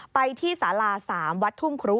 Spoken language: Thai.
ไปที่สารา๓วัดทุ่งครู